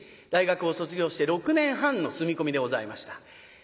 大学を卒業して６年半の住み込みでございました。